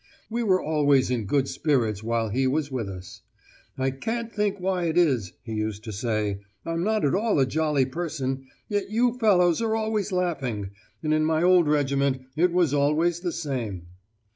We were always in good spirits while he was with us. "I can't think why it is," he used to say, "I'm not at all a jolly person, yet you fellows are always laughing; and in my old regiment it was always the same!"